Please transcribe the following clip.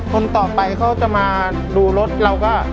คนต่อไปเขาจะมาดูรถเราก็